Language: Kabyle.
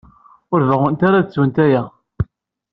Ur beɣɣunt ara ad ttunt aya.